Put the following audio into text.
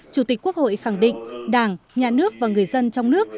chủ tịch quốc hội khẳng định đảng nhà nước và người dân trong nước